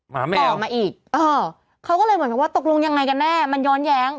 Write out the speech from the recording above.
ต่อมาอีกเออเขาก็เลยเหมือนกับว่าตกลงยังไงกันแน่มันย้อนแย้ง